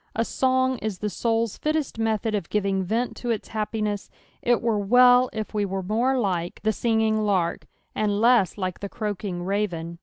A song is the soul's fittest method of giving vent to its happiness, it were well if we were more like the flinging lark, and less like the croaking raven.